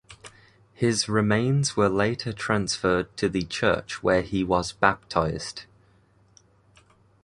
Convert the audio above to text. His remains were later transferred to the church where he was baptized.